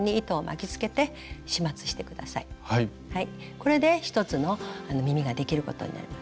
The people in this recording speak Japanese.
これで１つの耳ができることになります。